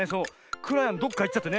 くらやんどっかいっちゃってね